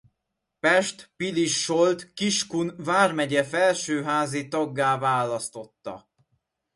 Pest-Pilis-Solt-Kiskun vármegye felsőházi taggá választotta.